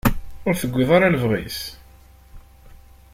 Ur tewwiḍ ara lebɣi-s.